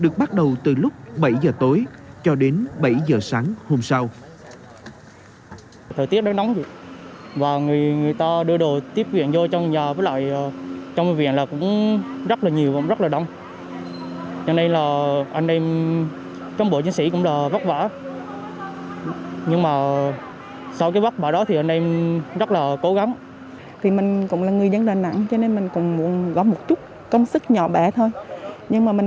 các chiến sĩ được bắt đầu từ lúc bảy giờ tối cho đến bảy giờ sáng hôm sau